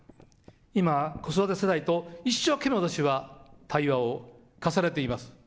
今、子育て世代と一生懸命、私は対話を重ねています。